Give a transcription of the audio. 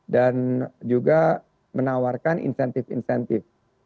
juga menawarkan insentif insentif